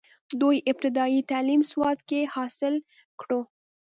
دوي ابتدائي تعليم سوات کښې حاصل کړو،